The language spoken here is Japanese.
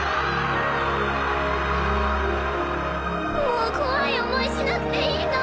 もう怖い思いしなくていいの？